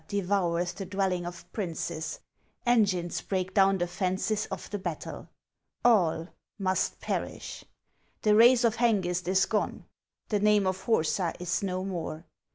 devoureth the dwelling of princes ; Engines break down the fences of the battle. All must perish ! The race of Hengist is gone — The name of Horsa is no more